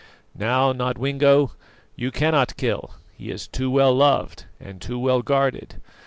Now, Nodwengo you cannot kill; he is too well loved and too well guarded.